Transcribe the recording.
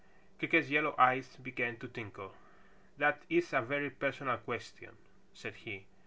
Creaker's yellow eyes began to twinkle. "That is a very personal question," said he.